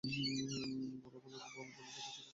বল বালক এবং বল বালিকা বাছাই করার পদ্ধতি বিভিন্ন রকম।